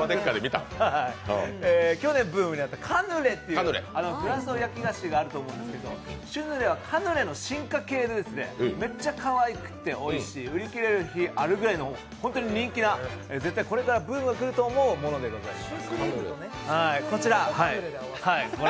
去年、ブームになったカヌレっていうフランスの焼き菓子があると思うんですけどシュヌレはカヌレの進化系でめっちゃかわいくておいしい売り切れる日があるくらい、ホントに人気な絶対これからブームが来ると思うものでございます。